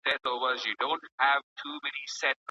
زوړ سړی تنها پر لویه لار روان وو